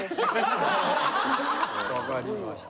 わかりました。